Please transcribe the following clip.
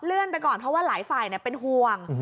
ไปก่อนเพราะว่าหลายฝ่ายเป็นห่วง